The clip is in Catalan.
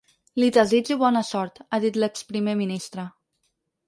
Li desitjo bona sort, ha dit l’ex-primer ministre.